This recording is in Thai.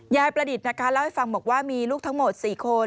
ประดิษฐ์นะคะเล่าให้ฟังบอกว่ามีลูกทั้งหมด๔คน